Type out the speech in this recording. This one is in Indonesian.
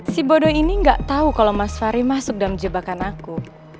si bodoh ini nggak tahu kalau mas fahri masuk dalam jebakan aku